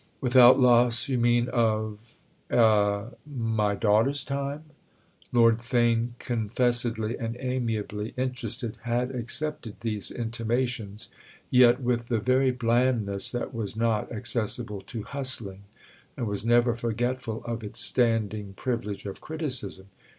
"Without loss, you mean, of—a—my daughter's time?" Lord Theign, confessedly and amiably interested, had accepted these intimations—yet with the very blandness that was not accessible to hustling and was never forgetful of its standing privilege of criticism.